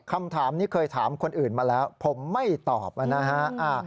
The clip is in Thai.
คำถามนี้เคยถามคนอื่นมาแล้วผมไม่ตอบนะฮะ